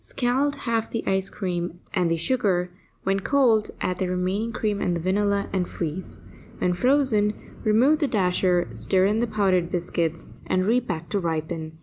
Scald half the cream and the sugar; when cold, add the remaining cream and the vanilla, and freeze. When frozen, remove the dasher, stir in the powdered biscuits, and repack to ripen.